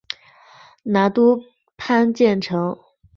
拿督潘健成